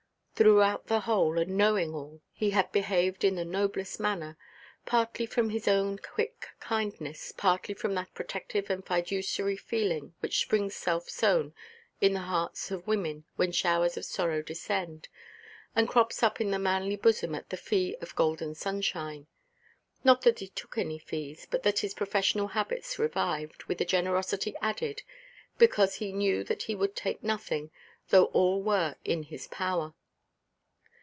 Throughout the whole, and knowing all, he had behaved in the noblest manner, partly from his own quick kindness, partly from that protective and fiduciary feeling which springs self–sown in the hearts of women when showers of sorrow descend, and crops up in the manly bosom at the fee of golden sunshine. Not that he took any fees; but that his professional habits revived, with a generosity added, because he knew that he would take nothing, though all were in his power.